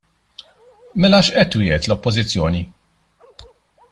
Mela x'qed twiegħed l-Oppożizzjoni?